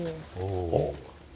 あっ。